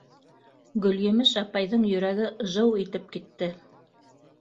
Гөлйемеш апайҙың йөрәге жыу итеп китте.